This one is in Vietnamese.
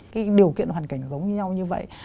cái điều kiện hoàn cảnh giống như nhau như vậy